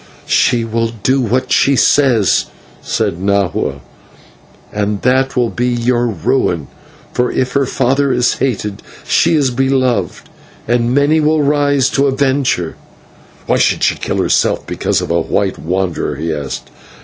"She will do what she says," said Nahua, "and that will be your ruin; for if her father is hated, she is beloved, and many will arise to avenge her." "Why should she kill herself because of a white wanderer?" he asked.